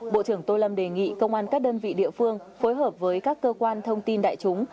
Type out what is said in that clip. bộ trưởng tô lâm đề nghị công an các đơn vị địa phương phối hợp với các cơ quan thông tin đại chúng